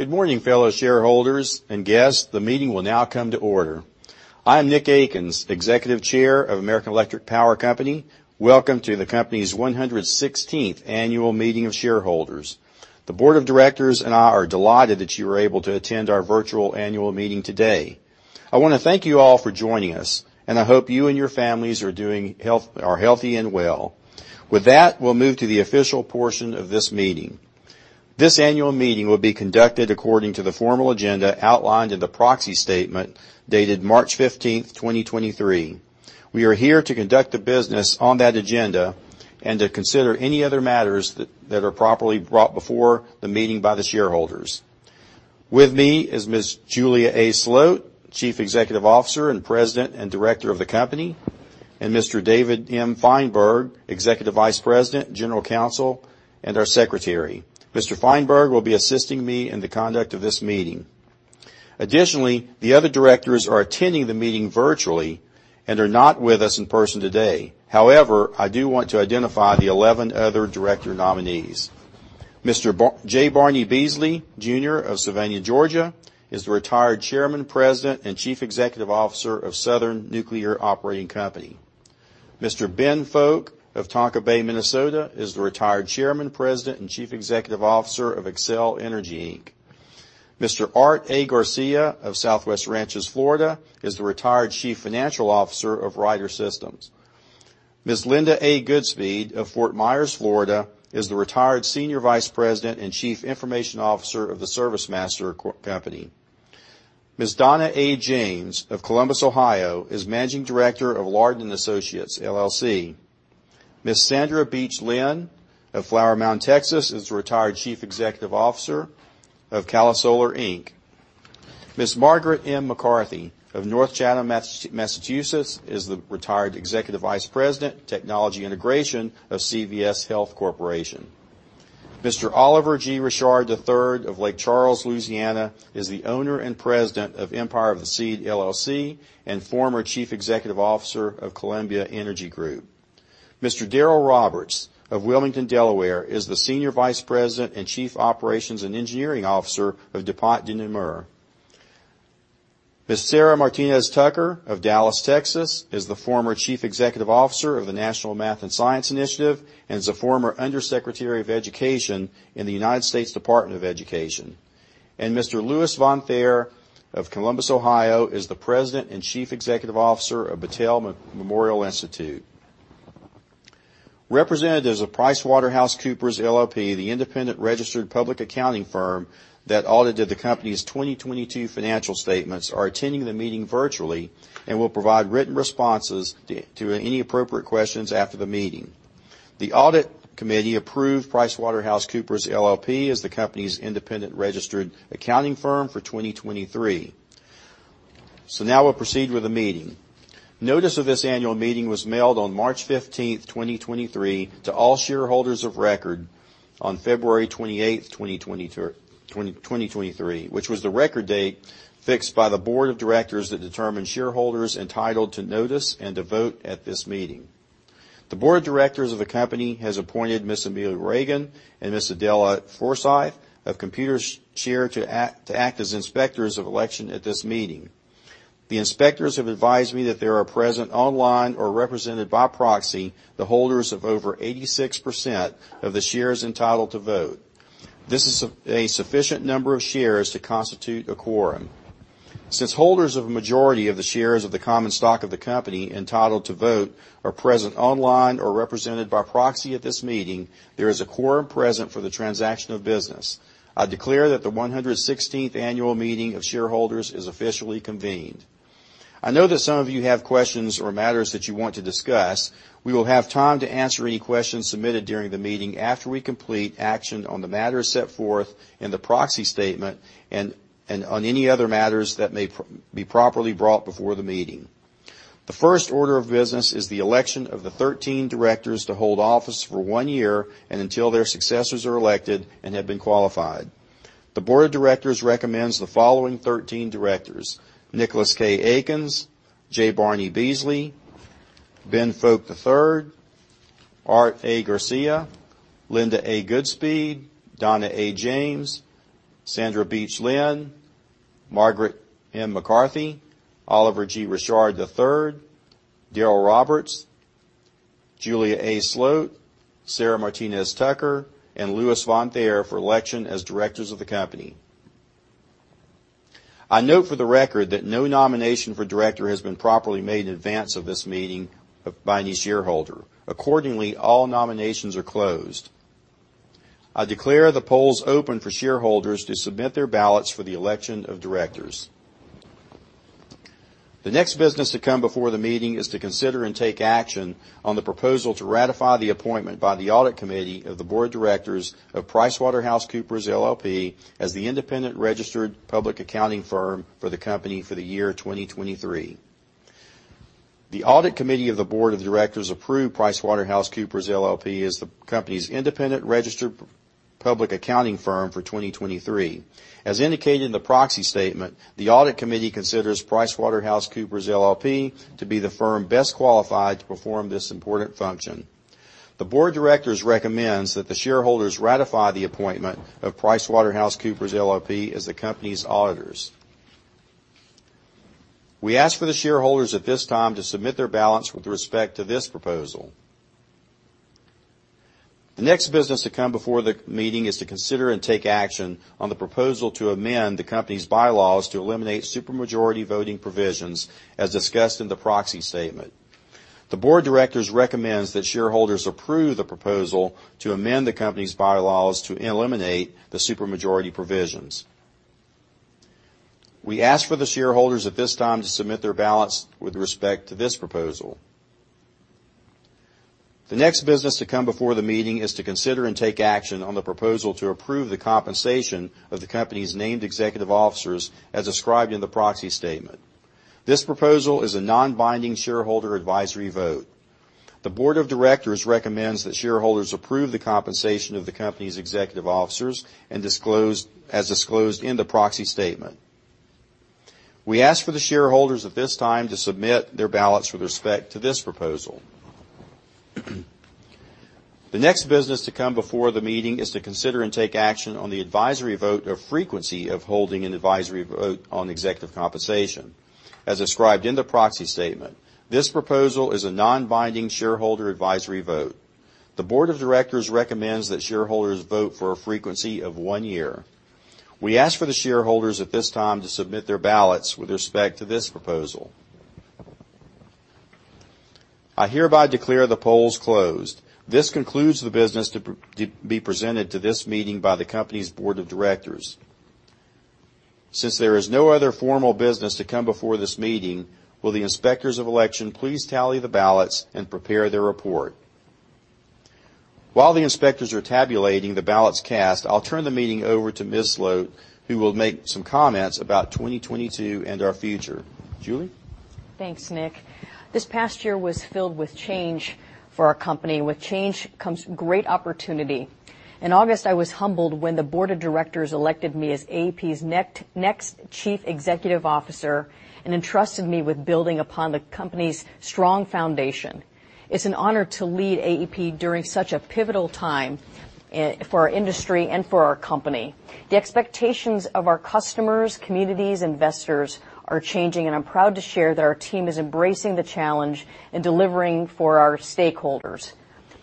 Good morning, fellow shareholders and guests. The meeting will now come to order. I'm Nick Akins, Executive Chair of American Electric Power Company. Welcome to the company's 116th annual meeting of shareholders. The board of directors and I are delighted that you were able to attend our virtual annual meeting today. I wanna thank you all for joining us, and I hope you and your families are healthy and well. With that, we'll move to the official portion of this meeting. This annual meeting will be conducted according to the formal agenda outlined in the proxy statement dated March 15, 2023. We are here to conduct the business on that agenda and to consider any other matters that are properly brought before the meeting by the shareholders. With me is Ms. Julie A. Sloat, Chief Executive Officer and President and Director of the company, Mr. David M. Feinberg, Executive Vice President, General Counsel, and our Secretary. Mr. Feinberg will be assisting me in the conduct of this meeting. The other directors are attending the meeting virtually and are not with us in person today. I do want to identify the 11 other director nominees. Mr. J. Barnie Beasley Jr. of Savannah, Georgia is the retired Chairman, President, and Chief Executive Officer of Southern Nuclear Operating Company. Mr. Ben Fowke of Tonka Bay, Minnesota is the retired Chairman, President, and Chief Executive Officer of Xcel Energy Inc. Mr. Art A. Garcia of Southwest Ranches, Florida is the retired Chief Financial Officer of Ryder Systems. Ms. Linda A. Goodspeed of Fort Myers, Florida is the retired Senior Vice President and Chief Information Officer of the ServiceMaster Company. Ms. Donna A. James of Columbus, Ohio is Managing Director of Lardon & Associates, LLC. Ms. Sandra Beach Lin of Flower Mound, Texas is the retired Chief Executive Officer of Calisolar Inc. Ms. Margaret M. McCarthy of North Chatham, Massachusetts is the retired Executive Vice President, Technology Integration of CVS Health Corporation. Mr. Oliver G. Richard III of Lake Charles, Louisiana is the owner and President of Empire of the Seed, LLC and former Chief Executive Officer of Columbia Energy Group. Mr. Darryl Roberts of Wilmington, Delaware is the Senior Vice President and Chief Operations and Engineering Officer of DuPont de Nemours. Ms. Sara Martinez Tucker of Dallas, Texas is the former Chief Executive Officer of the National Math and Science Initiative and is a former Undersecretary of Education in the United States Department of Education. Lewis Von Thaer of Columbus, Ohio is the President and Chief Executive Officer of Battelle Memorial Institute. Representatives of PricewaterhouseCoopers LLP, the independent registered public accounting firm that audited the company's 2022 financial statements, are attending the meeting virtually and will provide written responses to any appropriate questions after the meeting. The Audit Committee approved PricewaterhouseCoopers LLP as the company's independent registered accounting firm for 2023. Now we'll proceed with the meeting. Notice of this annual meeting was mailed on March 15, 2023 to all shareholders of record on February 28, 2023, which was the record date fixed by the board of directors that determined shareholders entitled to notice and to vote at this meeting. The board of directors of the company has appointed Ms. Amelia Rehagen and Ms. Adele Forsyth of Computershare to act as inspectors of election at this meeting. The inspectors have advised me that they are present online or represented by proxy the holders of over 86% of the shares entitled to vote. This is a sufficient number of shares to constitute a quorum. Since holders of a majority of the shares of the common stock of the company entitled to vote are present online or represented by proxy at this meeting, there is a quorum present for the transaction of business. I declare that the 116th annual meeting of shareholders is officially convened. I know that some of you have questions or matters that you want to discuss. We will have time to answer any questions submitted during the meeting after we complete action on the matters set forth in the proxy statement and on any other matters that may be properly brought before the meeting. The first order of business is the election of the 13 directors to hold office for one year and until their successors are elected and have been qualified. The board of directors recommends the following 13 directors: Nicholas K. Akins, J. Barnie Beasley Jr., Ben Fowke III, Art A. Garcia, Linda A. Goodspeed, Donna A. James, Sandra Beach Lin, Margaret M. McCarthy, Oliver G. Richard III, Darryl Roberts, Julie A. Sloat, Sara Martinez Tucker, and Lewis Von Thaer for election as directors of the company. I note for the record that no nomination for director has been properly made in advance of this meeting by any shareholder. Accordingly, all nominations are closed. I declare the polls open for shareholders to submit their ballots for the election of directors. The next business to come before the meeting is to consider and take action on the proposal to ratify the appointment by the Audit Committee of the board of directors of PricewaterhouseCoopers LLP as the independent registered public accounting firm for the company for the year 2023. The Audit Committee of the board of directors approved PricewaterhouseCoopers LLP as the company's independent registered public accounting firm for 2023. As indicated in the proxy statement, the Audit Committee considers PricewaterhouseCoopers LLP to be the firm best qualified to perform this important function. The board of directors recommends that the shareholders ratify the appointment of PricewaterhouseCoopers LLP as the company's auditors. We ask for the shareholders at this time to submit their ballots with respect to this proposal. The next business to come before the meeting is to consider and take action on the proposal to amend the company's bylaws to eliminate supermajority voting provisions, as discussed in the proxy statement. The board of directors recommends that shareholders approve the proposal to amend the company's bylaws to eliminate the supermajority provisions. We ask for the shareholders at this time to submit their ballots with respect to this proposal. The next business to come before the meeting is to consider and take action on the proposal to approve the compensation of the company's named executive officers, as described in the proxy statement. This proposal is a non-binding shareholder advisory vote. The board of directors recommends that shareholders approve the compensation of the company's executive officers as disclosed in the proxy statement. We ask for the shareholders at this time to submit their ballots with respect to this proposal. The next business to come before the meeting is to consider and take action on the advisory vote of frequency of holding an advisory vote on executive compensation, as described in the proxy statement. This proposal is a non-binding shareholder advisory vote. The board of directors recommends that shareholders vote for a frequency of one year. We ask for the shareholders at this time to submit their ballots with respect to this proposal. I hereby declare the polls closed. This concludes the business to be presented to this meeting by the company's board of directors. Since there is no other formal business to come before this meeting, will the inspectors of election please tally the ballots and prepare their report? While the inspectors are tabulating the ballots cast, I'll turn the meeting over to Ms. Sloat, who will make some comments about 2022 and our future. Julie? Thanks, Nick. This past year was filled with change for our company. With change comes great opportunity. In August, I was humbled when the board of directors elected me as AEP's next chief executive officer and entrusted me with building upon the company's strong foundation. It's an honor to lead AEP during such a pivotal time for our industry and for our company. The expectations of our customers, communities, investors are changing, and I'm proud to share that our team is embracing the challenge and delivering for our stakeholders.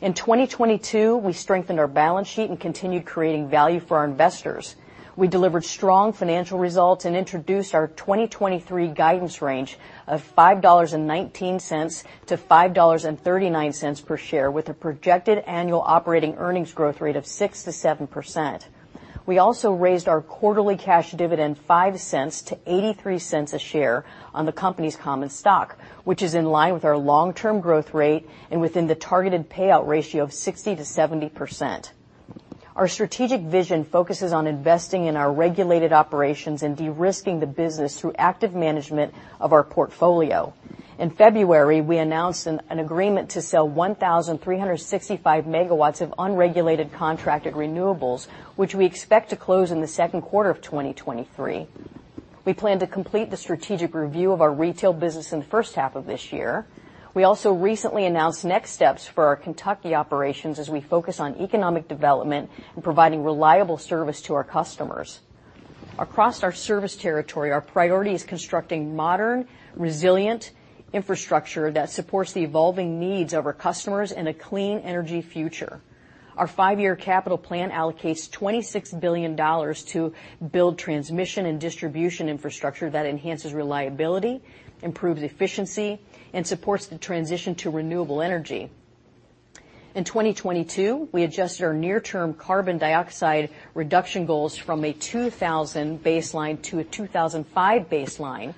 In 2022, we strengthened our balance sheet and continued creating value for our investors. We delivered strong financial results and introduced our 2023 guidance range of $5.19-$5.39 per share, with a projected annual operating earnings growth rate of 6%-7%. We also raised our quarterly cash dividend $0.05 to $0.83 a share on the company's common stock, which is in line with our long-term growth rate and within the targeted payout ratio of 60%-70%. Our strategic vision focuses on investing in our regulated operations and de-risking the business through active management of our portfolio. In February, we announced an agreement to sell 1,365 megawatts of unregulated contracted renewables, which we expect to close in the second quarter of 2023. We plan to complete the strategic review of our retail business in the first half of this year. We also recently announced next steps for our Kentucky operations as we focus on economic development and providing reliable service to our customers. Across our service territory, our priority is constructing modern, resilient infrastructure that supports the evolving needs of our customers in a clean energy future. Our five-year capital plan allocates $26 billion to build transmission and distribution infrastructure that enhances reliability, improves efficiency, and supports the transition to renewable energy. In 2022, we adjusted our near-term carbon dioxide reduction goals from a 2000 baseline to a 2005 baseline,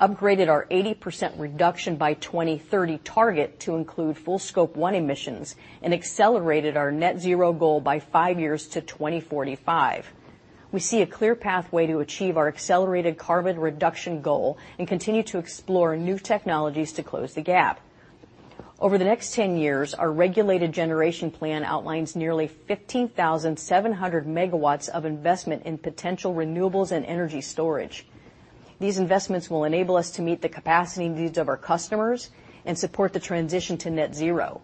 upgraded our 80% reduction by 2030 target to include full Scope 1 emissions, and accelerated our net zero goal by five years to 2045. We see a clear pathway to achieve our accelerated carbon reduction goal and continue to explore new technologies to close the gap. Over the next 10 years, our regulated generation plan outlines nearly 15,700 megawatts of investment in potential renewables and energy storage. These investments will enable us to meet the capacity needs of our customers and support the transition to net zero.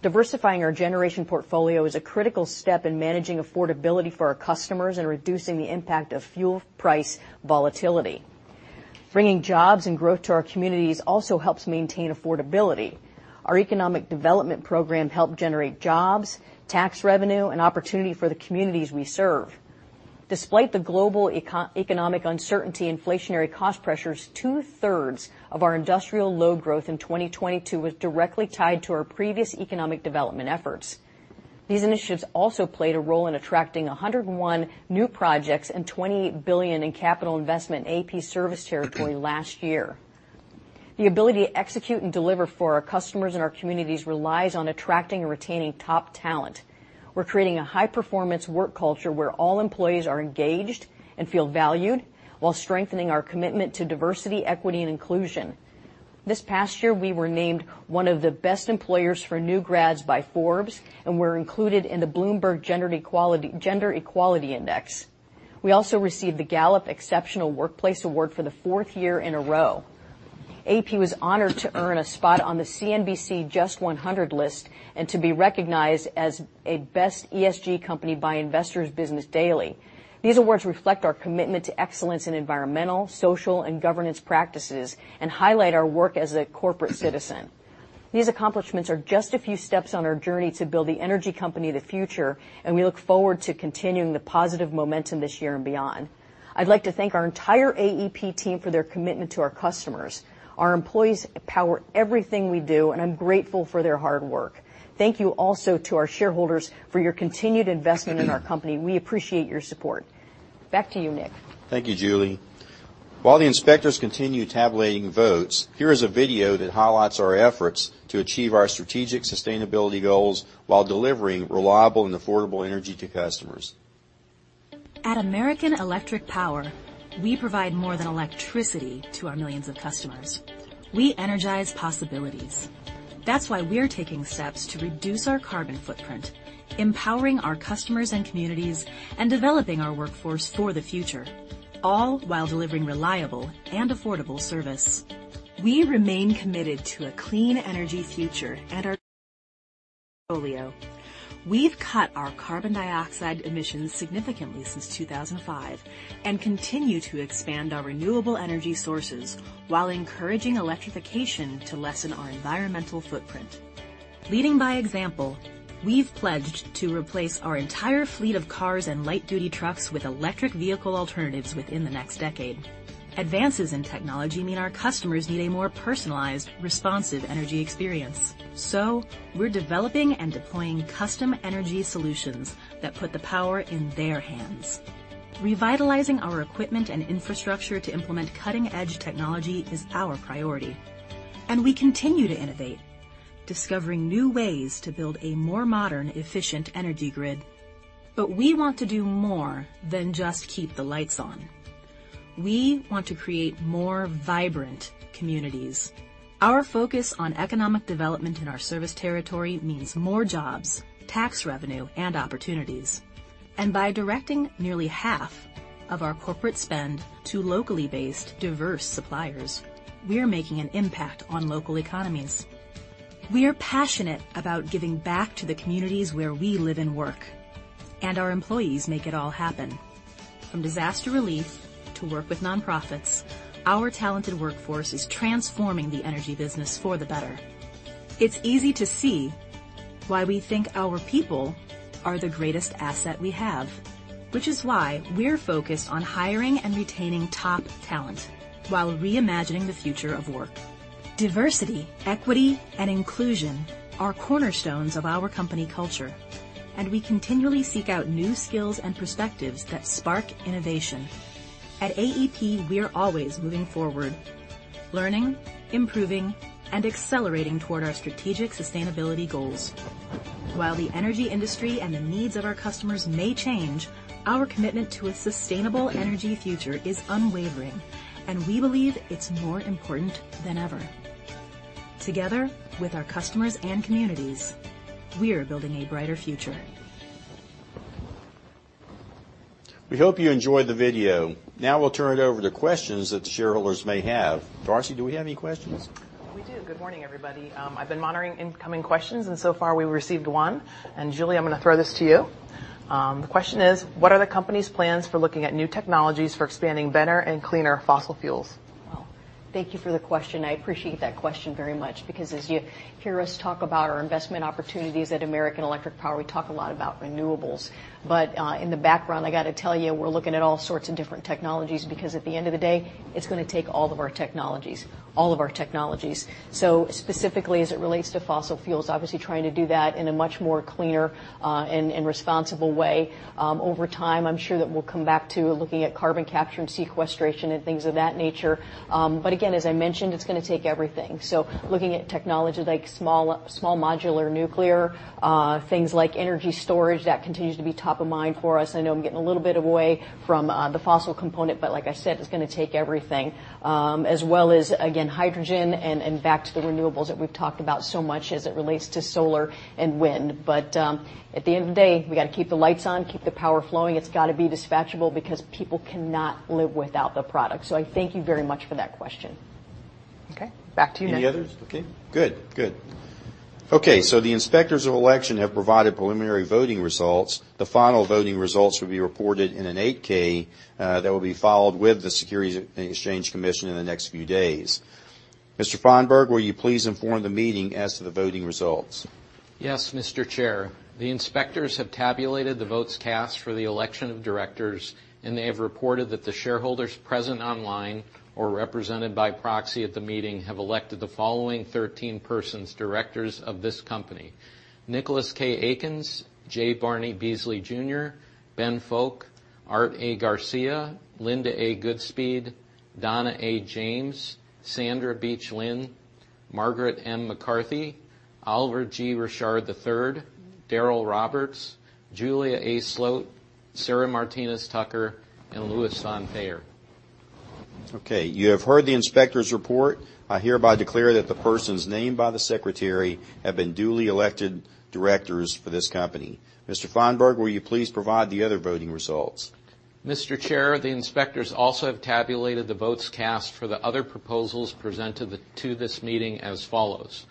Diversifying our generation portfolio is a critical step in managing affordability for our customers and reducing the impact of fuel price volatility. Bringing jobs and growth to our communities also helps maintain affordability. Our economic development program helped generate jobs, tax revenue, and opportunity for the communities we serve. Despite the global eco-economic uncertainty inflationary cost pressures, two-thirds of our industrial load growth in 2022 was directly tied to our previous economic development efforts. These initiatives also played a role in attracting 101 new projects and $28 billion in capital investment in AEP's service territory last year. The ability to execute and deliver for our customers and our communities relies on attracting and retaining top talent. We're creating a high-performance work culture where all employees are engaged and feel valued while strengthening our commitment to diversity, equity, and inclusion. This past year, we were named one of the best employers for new grads by Forbes. We're included in the Bloomberg Gender-Equality Index. We also received the Gallup Exceptional Workplace Award for the fourth year in a row. AEP was honored to earn a spot on the JUST 100 list and to be recognized as a best ESG company by Investor's Business Daily. These awards reflect our commitment to excellence in environmental, social, and governance practices and highlight our work as a corporate citizen. These accomplishments are just a few steps on our journey to build the energy company of the future. We look forward to continuing the positive momentum this year and beyond. I'd like to thank our entire AEP team for their commitment to our customers. Our employees power everything we do, and I'm grateful for their hard work. Thank you also to our shareholders for your continued investment in our company. We appreciate your support. Back to you, Nick. Thank you, Julie. While the inspectors continue tabulating votes, here is a video that highlights our efforts to achieve our strategic sustainability goals while delivering reliable and affordable energy to customers. At American Electric Power, we provide more than electricity to our millions of customers. We energize possibilities. That's why we're taking steps to reduce our carbon footprint, empowering our customers and communities, and developing our workforce for the future, all while delivering reliable and affordable service. We remain committed to a clean energy future and our portfolio. We've cut our carbon dioxide emissions significantly since 2005, and continue to expand our renewable energy sources while encouraging electrification to lessen our environmental footprint. Leading by example, we've pledged to replace our entire fleet of cars and light-duty trucks with electric vehicle alternatives within the next decade. Advances in technology mean our customers need a more personalized, responsive energy experience. We're developing and deploying custom energy solutions that put the power in their hands. Revitalizing our equipment and infrastructure to implement cutting-edge technology is our priority. We continue to innovate, discovering new ways to build a more modern, efficient energy grid. We want to do more than just keep the lights on. We want to create more vibrant communities. Our focus on economic development in our service territory means more jobs, tax revenue, and opportunities. By directing nearly half of our corporate spend to locally based diverse suppliers, we are making an impact on local economies. We are passionate about giving back to the communities where we live and work, and our employees make it all happen. From disaster relief to work with nonprofits, our talented workforce is transforming the energy business for the better. It's easy to see why we think our people are the greatest asset we have, which is why we're focused on hiring and retaining top talent while reimagining the future of work. Diversity, equity, and inclusion are cornerstones of our company culture, and we continually seek out new skills and perspectives that spark innovation. At AEP, we are always moving forward, learning, improving, and accelerating toward our strategic sustainability goals. While the energy industry and the needs of our customers may change, our commitment to a sustainable energy future is unwavering, and we believe it's more important than ever. Together with our customers and communities, we are building a brighter future. We hope you enjoyed the video. Now we'll turn it over to questions that the shareholders may have. Darcy, do we have any questions? We do. Good morning, everybody. I've been monitoring incoming questions, so far we've received 1. Julie, I'm gonna throw this to you. The question is: "What are the company's plans for looking at new technologies for expanding better and cleaner fossil fuels? Thank you for the question. I appreciate that question very much because as you hear us talk about our investment opportunities at American Electric Power, we talk a lot about renewables. In the background, I gotta tell you, we're looking at all sorts of different technologies because at the end of the day, it's gonna take all of our technologies. Specifically as it relates to fossil fuels, obviously trying to do that in a much more cleaner, and responsible way. Over time, I'm sure that we'll come back to looking at Carbon capture and sequestration and things of that nature. Again, as I mentioned, it's gonna take everything. Looking at technology like small modular nuclear, things like energy storage, that continues to be top of mind for us. I know I'm getting a little bit away from the fossil component, but like I said, it's gonna take everything. As well as, again, hydrogen and back to the renewables that we've talked about so much as it relates to solar and wind. At the end of the day, we gotta keep the lights on, keep the power flowing. It's gotta be dispatchable because people cannot live without the product. I thank you very much for that question. Okay. Back to you, Nick. Any others? Okay. Good. Good. The inspectors of election have provided preliminary voting results. The final voting results will be reported in an 8-K that will be followed with the Securities and Exchange Commission in the next few days. Mr. Feinberg, will you please inform the meeting as to the voting results? Yes, Mr. Chair. The inspectors have tabulated the votes cast for the election of directors. They have reported that the shareholders present online or represented by proxy at the meeting have elected the following 13 persons directors of this company: Nicholas K. Akins, J. Barnie Beasley Jr., Ben Fowke, Art A. Garcia, Linda A. Goodspeed, Donna A. James, Sandra Beach Lin, Margaret M. McCarthy, Oliver G. Richard III, Darryl Roberts, Julie A. Sloat, Sara Martinez Tucker, and Lewis Von Thaer. Okay. You have heard the inspector's report. I hereby declare that the persons named by the secretary have been duly elected directors for this company. Mr. Feinberg, will you please provide the other voting results? Mr. Chair, the inspectors also have tabulated the votes cast for the other proposals presented to this meeting as follows.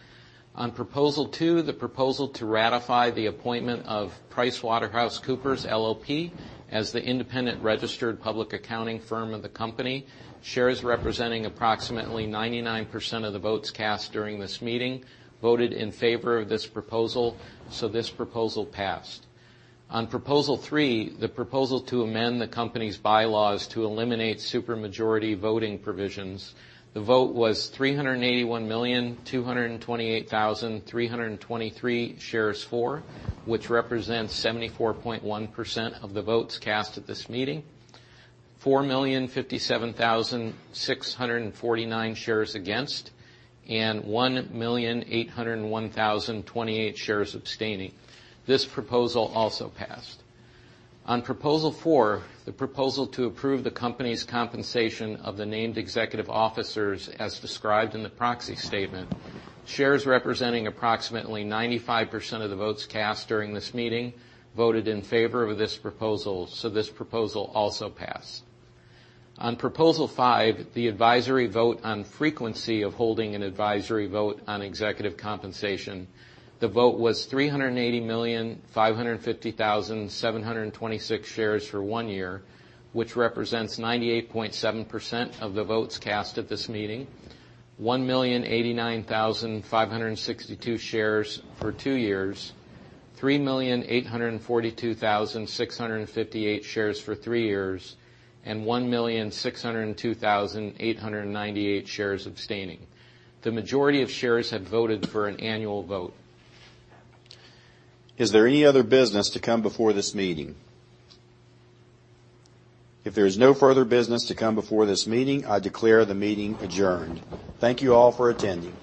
On proposal two, the proposal to ratify the appointment of PricewaterhouseCoopers LLP as the independent registered public accounting firm of the company, shares representing approximately 99% of the votes cast during this meeting voted in favor of this proposal. This proposal passed. On proposal three, the proposal to amend the company's bylaws to eliminate supermajority voting provisions, the vote was 381,228,323 shares for, which represents 74.1% of the votes cast at this meeting. 4,057,649 shares against, and 1,801,028 shares abstaining. This proposal also passed. On proposal four, the proposal to approve the company's compensation of the named executive officers as described in the proxy statement, shares representing approximately 95% of the votes cast during this meeting voted in favor of this proposal, so this proposal also passed. On proposal five, the advisory vote on frequency of holding an advisory vote on executive compensation, the vote was 380,550,726 shares for one year, which represents 98.7% of the votes cast at this meeting. 1,089,562 shares for two years, 3,842,658 shares for three years, and 1,602,898 shares abstaining. The majority of shares have voted for an annual vote. Is there any other business to come before this meeting? If there is no further business to come before this meeting, I declare the meeting adjourned. Thank you all for attending.